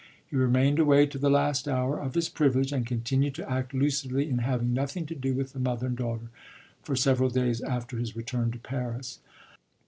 He remained away to the last hour of his privilege and continued to act lucidly in having nothing to do with the mother and daughter for several days after his return to Paris.